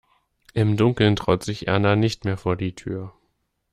Im Dunkeln traut sich Erna nicht mehr vor die Tür.